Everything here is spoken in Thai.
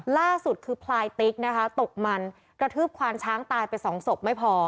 ล่าสุดคือพลายติ๊กนะคะตกมันกระทืบควานช้างตายไปสองศพไม่พอ